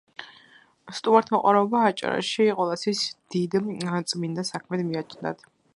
სტუმართმოყვარეობა აჭარაში ყველასთვის დიდ წმინდა საქმედ მიაჩნდათ